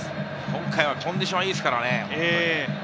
今回はコンディションはいいですからね。